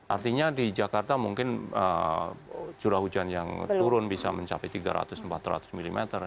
artinya di jakarta mungkin curah hujan yang turun bisa mencapai tiga ratus empat ratus mm